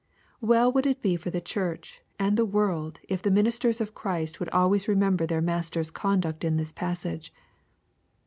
Well would it be for the Church and the world if the ministers of Christ would always remember their Mas ter's conduct in this passage.